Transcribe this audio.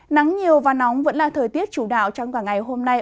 nắng nhiều và nóng vẫn là thời tiết chủ đạo trong cả ngày hôm nay